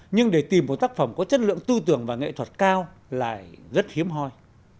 nhưng để tìm một tác phẩm có chất lượng tư tưởng và nghệ thuật cao lại rất hiếm hoi